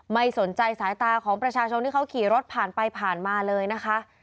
ไม่สนใจสายตาของประชาชนที่เขาขี่รถผ่านไปผ่านมาเลยนะคะ